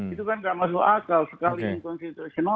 itu kan tidak masuk akal sekali